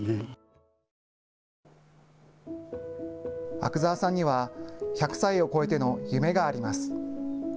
阿久澤さんには１００歳を越えての夢があります。